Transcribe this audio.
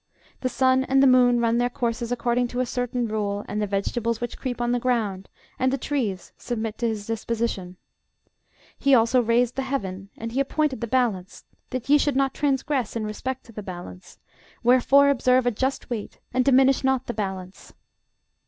The sun and the moon run their courses according to a certain rule: and the vegetables which creep on the ground, and the trees submit to his disposition. He also raised the heaven; and he appointed the balance, that ye should not transgress in respect to the balance: wherefore observe a just weight; and diminish not the balance.